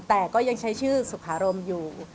แต่ก็ยังใช้ชื่อสุขารมอยู่